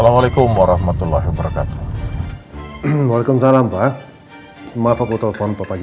ya aku coba hubungin papa sudah